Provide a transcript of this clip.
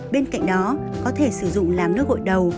bên cạnh đó có thể sử dụng làm nước gội đầu